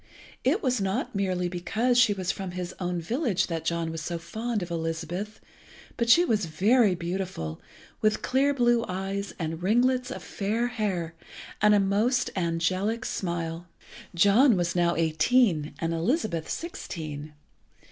It was not merely because she was from his own village that John was so fond of Elizabeth, but she was very beautiful, with clear blue eyes and ringlets of fair hair, and a most angelic smile. Time flew away unperceived. John was now eighteen, and Elizabeth sixteen.